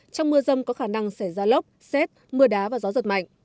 trong mưa rông có khả năng xảy ra lốc xét mưa đá và gió giật mạnh